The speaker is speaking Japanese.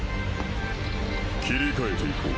切り替えていこう。